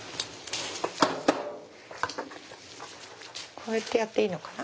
こうやってやっていいのかな？